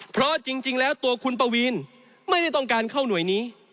เพราะจริงแล้วตัวคุณปวีนไม่ได้ต้องการเข้าหน่วยนี้